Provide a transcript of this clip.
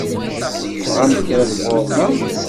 Tebɣamt kra sɣur-neɣ?